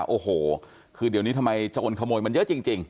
โอ้โหคือเดี๋ยวนี้ทำไมจะโอนขโมยมันเยอะจริง